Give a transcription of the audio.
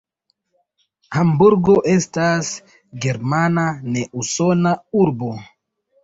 Hamburgo estas germana, ne usona urbo.